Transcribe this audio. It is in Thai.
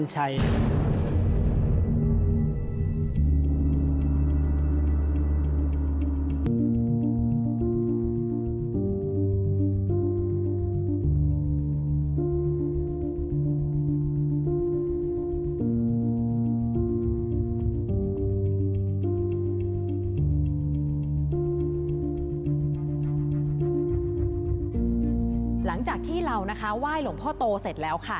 หลังจากที่เรานะคะไหว้หลวงพ่อโตเสร็จแล้วค่ะ